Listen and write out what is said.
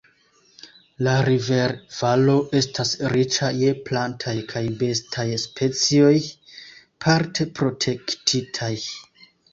La river-valo estas riĉa je plantaj kaj bestaj specioj, parte protektitaj.